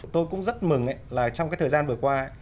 tôi cũng rất mừng là trong cái thời gian vừa qua